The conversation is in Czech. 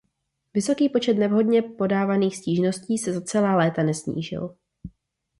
Vysoký počet nevhodně podávaných stížností se za celá léta nesnížil.